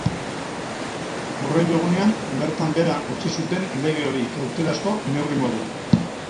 Hurrengo egunean, bertan behera utzi zuten lege hori, kautelazko neurri moduan.